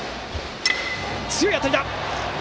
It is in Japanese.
強い当たりだ！